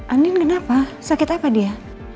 andin kenapa sakit apa dia